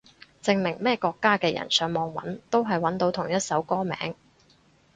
證明咩國家嘅人上網搵都係搵到同一首歌名